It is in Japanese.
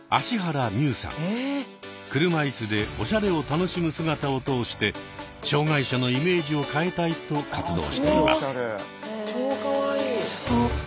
車いすでおしゃれを楽しむ姿を通して障害者のイメージを変えたいと活動しています。